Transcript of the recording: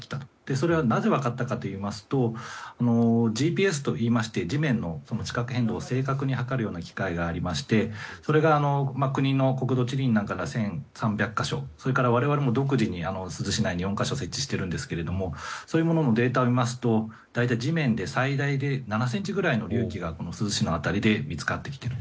それがなぜ分かったかといいますとＧＰＳといいまして地面の地殻変動を正確に測る機械がありましてそれが国の国土地理院などが１８００か所それから我々も独自に珠洲市内に４か所設置していてそれのデータを見ますと地面で最大７ｃｍくらいの隆起が珠洲市の辺りで見つかっている。